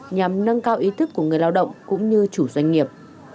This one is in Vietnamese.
nhằm nâng cao ý thức của người lao động cũng như chủ doanh nghiệp